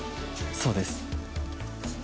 そうです。